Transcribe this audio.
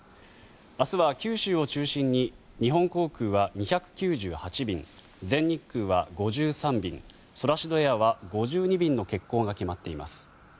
明日は九州を中心に日本航空は２９８便全日空は５３便ソラシドエアは５２便の欠航が決まっています。